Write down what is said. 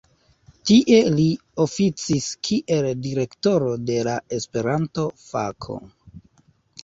Tie li oficis kiel direktoro de la Esperanto-fako.